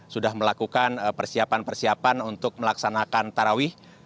sudah melakukan persiapan persiapan untuk melaksanakan tarawih